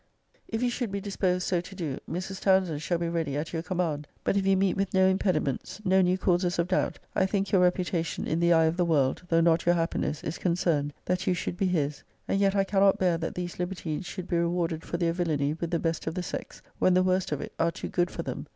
>>> If you should be disposed so to do, Mrs. Towns end shall be ready at your command. But if you meet with no impediments, no new causes of doubt, I think your reputation in the eye of the world, >>> though not your happiness, is concerned, that you should be his and yet I cannot bear that these libertines should be rewarded for their villany with the best of the sex, when the worst of it are too good for them.